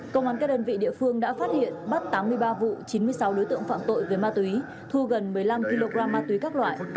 công an các đơn vị địa phương đã phát hiện bắt tám mươi ba vụ chín mươi sáu đối tượng phạm tội về ma túy thu gần một mươi năm kg ma túy các loại